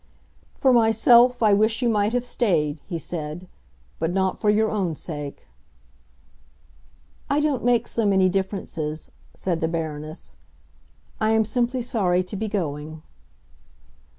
"For myself, I wish you might have stayed," he said. "But not for your own sake." "I don't make so many differences," said the Baroness. "I am simply sorry to be going."